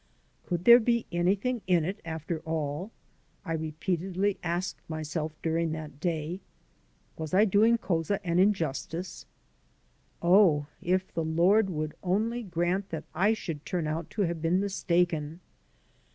Could there be anything in it, after all? I repeatedly asked myself during that day. Was I doing Couza an injustice? Oh, if the Lord would only grant that I should turn out to have been mistaken!